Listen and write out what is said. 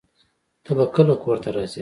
ته به کله کور ته راځې؟